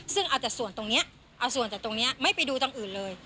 ซึ่งเอาแต่ส่วนตรงนี้เอาส่วนแต่ตรงนี้ไม่ไปดูตรงอื่นเลย